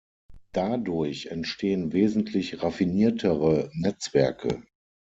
Dadurch entstehen wesentlich raffiniertere Netzwerke.